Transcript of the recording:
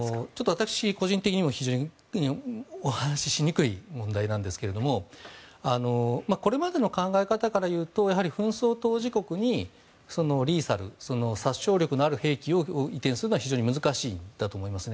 私、個人的にもお話ししにくい問題なんですけどこれまでの考え方からいうと紛争当事国にリーサル、殺傷力のある兵器を移転するのは非常に難しいんだと思います。